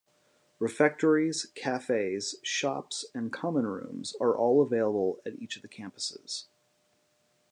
Refectories, cafes, shops and common rooms are all available at each of the campuses.